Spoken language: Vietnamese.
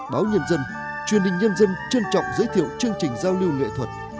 báo nhân dân truyền hình nhân dân trân trọng giới thiệu chương trình giao lưu nghệ thuật